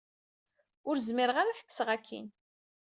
Ur zmireɣ ara ad t-kkseɣ akin.